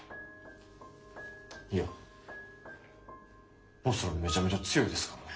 いやモスラめちゃめちゃ強いですからね。